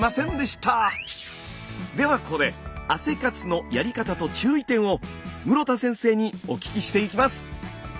ではここで汗活のやり方と注意点を室田先生にお聞きしていきます。